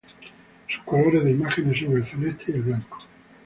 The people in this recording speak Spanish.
Sus colores de imágenes son el celeste y el blanco.